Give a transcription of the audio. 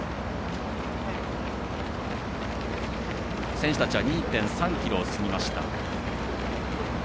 選手たちは２．３ｋｍを進みました。